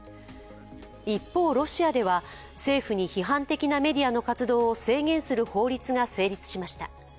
一方、ロシアでは政府に批判的なメディアの活動を制限する法律が成立しました。